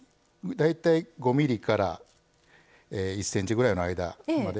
大体５ｍｍから１ｃｍぐらいの間まで。